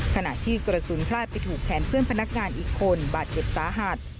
ขณะที่กระสุนพลาดไปถูกแขนเพื่อนพนักงานอีกคนบาดเจ็บสาหัส